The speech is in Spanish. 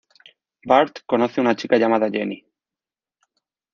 Bart conoce una chica llamada Jenny.